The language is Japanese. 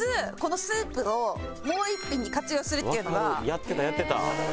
やってたやってた。